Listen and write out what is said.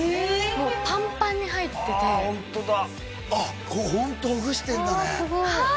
もうパンパンに入っててあっこれホントほぐしてんだねはあ